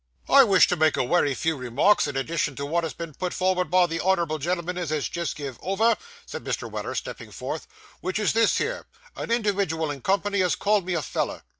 'I wish to make a wery few remarks in addition to wot has been put for'ard by the honourable gen'l'm'n as has jist give over,' said Mr. Weller, stepping forth, 'wich is this here: a indiwidual in company has called me a feller.